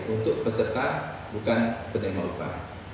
untuk peserta bukan pendemokra